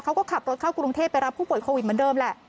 เขาก็ขับรถเข้ากรุงเทพไปรับผู้ป่วยโควิดเหมือนเดิมแหละ